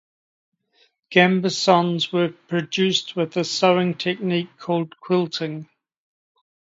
Gambesons were produced with a sewing technique called quilting.